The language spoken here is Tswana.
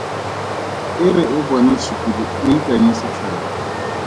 E re o bona tshukudu o ikanye setlhare!